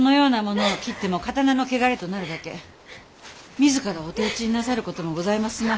自らお手討ちになさることもございますまい。